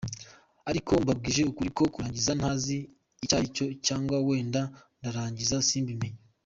ariko mbabwije ukuri ko kurangiza ntazi icyaricyo cg wenda ndarangiza simbimenye .